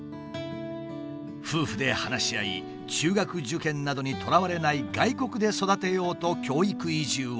夫婦で話し合い中学受験などにとらわれない外国で育てようと教育移住を決めた。